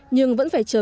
nhưng vẫn phải chờ